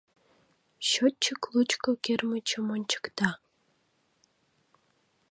— Счетчик лучко кермычым ончыкта.